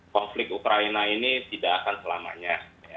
konflik ukraina ini tidak akan selamanya